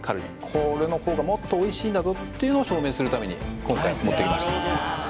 これの方がもっとおいしいんだぞっていうのを証明するために今回持ってきました